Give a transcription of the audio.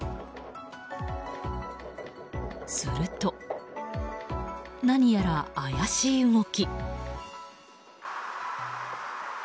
すると、何やら怪しい動き。